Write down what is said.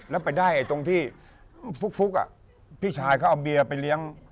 แล้วไปได้ตรงที่ฟุ๊กพี่ชายเขาเอาเบียร์ไปเลี้ยง